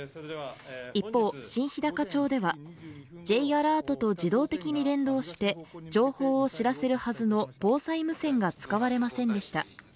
一方新ひだか町ではＪアラートと自動的に連動して情報を知らせるはずの防災無線が使われませんでした